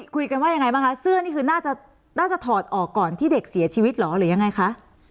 คุยกันว่ายังไงบ้างคะเสื้อนี่คือน่าจะถอดออกก่อนที่เด็กเสียชีวิตเหรอหรือยังไงคะ